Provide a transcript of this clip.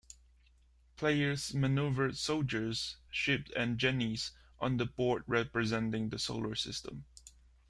Players maneuvered soldiers, ships, and gennies on a board representing the solar system.